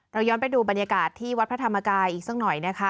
ย้อนไปดูบรรยากาศที่วัดพระธรรมกายอีกสักหน่อยนะคะ